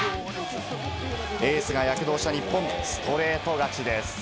エースが躍動した日本、ストレート勝ちです。